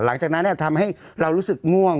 หลังจากนั้นทำให้เรารู้สึกง่วง